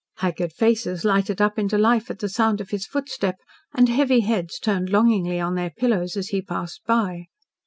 Haggard faces lighted up into life at the sound of his footstep, and heavy heads turned longingly on their pillows as he passed by.